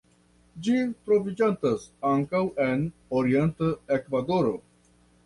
Ĝi troviĝantas ankaŭ en orienta Ekvadoro.